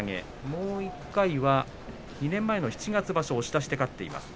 もう１回は２年前の七月場所押し出しで勝っています。